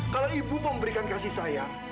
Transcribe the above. kalau ibu memberikan kasih sayang